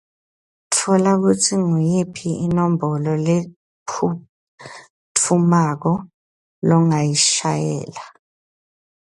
Tfola kutsi nguyiphi inombolo lephutfumako longayishayela.